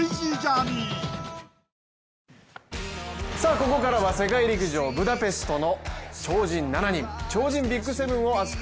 ここからは世界陸上ブダペストの超人７人、超人ＢＩＧ７を熱く！